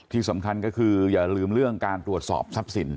ที่สำคัญก็คืออย่าลืมเรื่องการตรวจสอบทรัพย์สิน